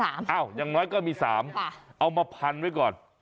อย่างน้อยก็มี๓เอามาพันไว้ก่อน